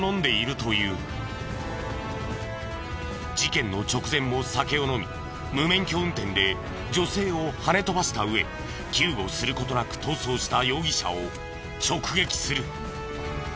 この時間事件の直前も酒を飲み無免許運転で女性をはね飛ばした上救護する事なく逃走した容疑者を直撃する。